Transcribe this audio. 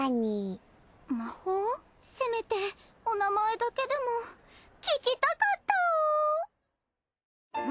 せめてお名前だけでも聞きたかったお！